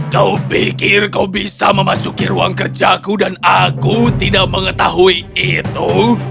kau pikir kau bisa memasuki ruang kerjaku dan aku tidak mengetahui itu